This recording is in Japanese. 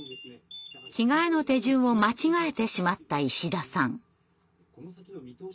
着替えの手順を間違えてしまった石田さん。